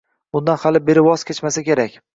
Bundan hali-beri voz kechmasa kerak.